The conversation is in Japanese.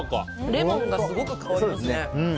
レモンがすごく香りますね。